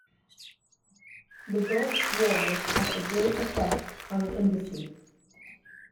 The Gulf War had a great effect on the embassy.